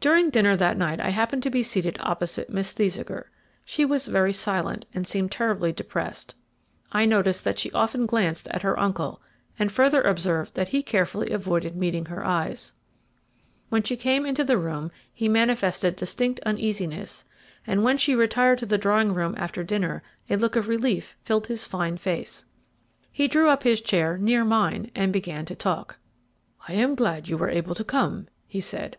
During dinner that night I happened to be seated opposite Miss Thesiger. She was very silent, and seemed terribly depressed. I noticed that she often glanced at her uncle, and further observed that he carefully avoided meeting her eyes. When she came into the room he manifested distinct uneasiness, and when she retired to the drawing room after dinner a look of relief filled his fine face. He drew up his chair near mine and began to talk. "I am glad you were able to come," he said.